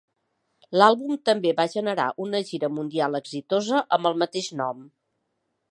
L'àlbum també va generar una gira mundial exitosa amb el mateix nom.